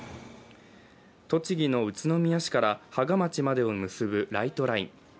栃木の宇都宮市から芳賀町までを結ぶライトライン。